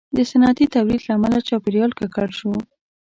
• د صنعتي تولید له امله چاپېریال ککړ شو.